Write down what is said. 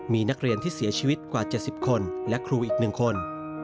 มีนักเรียนที่เสียชีวิตกว่า๗๐คนและครูอีก๑คน